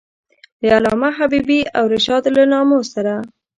د علامه حبیبي او رشاد له نامو سره.